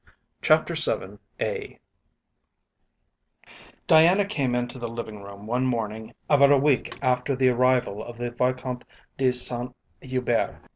CHAPTER VII Diana came into the living room one morning about a week after the arrival of the Vicomte de Saint Hubert.